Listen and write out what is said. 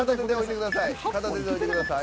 片手で置いてください。